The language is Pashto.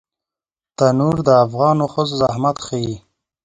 تنور د افغانو ښځو زحمت ښيي